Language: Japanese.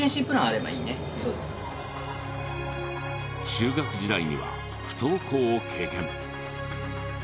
中学時代には不登校を経験。